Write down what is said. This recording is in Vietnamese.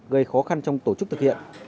gây khó khăn trong tổ chức thực hiện